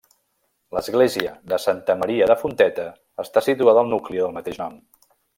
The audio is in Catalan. L'església de Santa Maria de Fonteta està situada al nucli del mateix nom.